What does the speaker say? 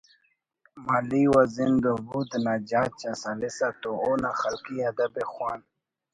مالی و زند و بود نا جاچ اس ہلیسہ تو اونا خلقی ادب ءِ خوان